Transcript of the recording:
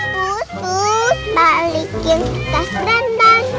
pus pus balikin tas brandan